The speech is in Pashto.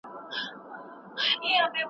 موږ بايد د هغه قدر وکړو.